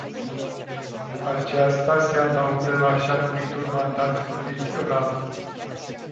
Aceasta se adaugă la așa-numitul mandat condițional.